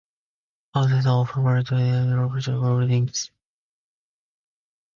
Houses are often built in areas prone to flooding.